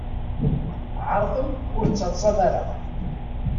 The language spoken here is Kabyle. Ɛeṛḍem ur d-ttaḍsam ara.